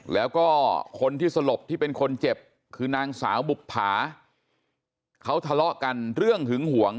แล้วก็คนที่สลบที่เป็นคนเจ็บคือนางสาวบุภาเขาทะเลาะกันเรื่องหึงหวง